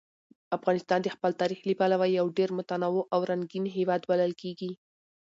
افغانستان د خپل تاریخ له پلوه یو ډېر متنوع او رنګین هېواد بلل کېږي.